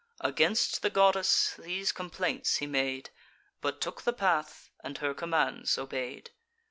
Against the goddess these complaints he made, But took the path, and her commands obey'd.